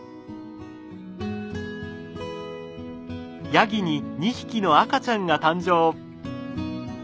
ヤギに２匹の赤ちゃんが誕生。